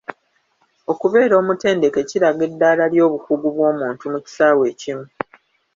Okubeera omutendeke kiraga eddalya ly'obukugu bw'omuntu mu kisaawe ekimu.